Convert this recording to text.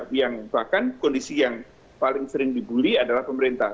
yang bahkan kondisi yang paling sering dibully adalah pemerintah